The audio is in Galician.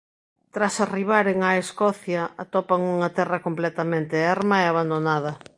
Tras arribaren á Escocia atopan unha terra completamente erma e abandonada.